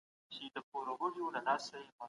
د خلګو د احساساتو راپارول منع دي.